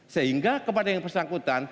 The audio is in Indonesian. sehingga kepada yang tersangkutan